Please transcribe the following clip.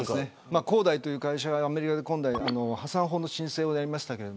恒大という会社がアメリカで破産法の申請をやりました。